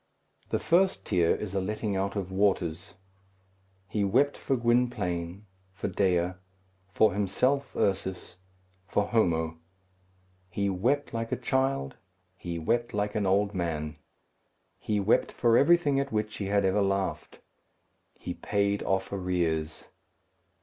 The first tear is a letting out of waters. He wept for Gwynplaine, for Dea, for himself, Ursus, for Homo. He wept like a child. He wept like an old man. He wept for everything at which he had ever laughed. He paid off arrears.